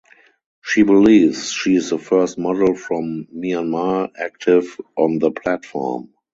She believes she is the first model from Myanmar active on the platform.